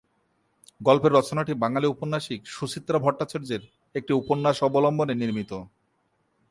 গল্পের রচনাটি বাঙালি উপন্যাসিক সুচিত্রা ভট্টাচার্যের একটি উপন্যাস অবলম্বনে নির্মিত।